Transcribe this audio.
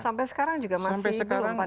sampai sekarang juga masih belum